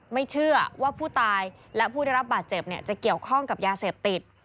ไม่เชื่อว่าผู้ตายและผู้ได้รับบาดเจ็บจะเกี่ยวข้องกับยาเสพติด